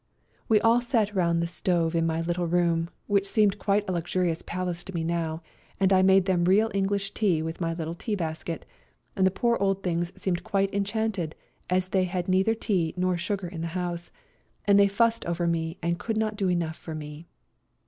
We all sat round the stove in my little 98 A COLD NIGHT RIDE room, which seemed quite a luxm ious palace to me now, and I made them real EngHsh tea with my little tea basket, and the poor old things seemed quite enchanted, as they had neither tea nor sugar in the house, and they fussed over me, and could not do enough for me.